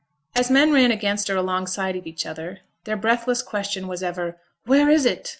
As men ran against or alongside of each other, their breathless question was ever, 'Where is it?'